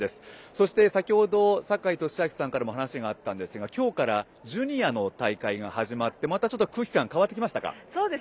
そして、先程坂井利彰さんからも話があったんですが今日からジュニアの大会が始まってまた空気感変わってきましたか。